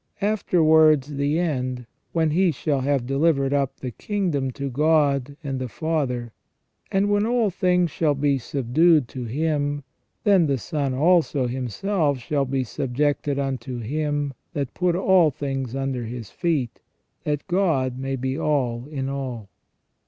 Afterwards the end, when He shall have delivered up the kingdom to God and the Father. ... And when all things shall be subdued to Him ; then the Son also himself shall be subjected unto Him that put all things under His feet, that God may be all in all."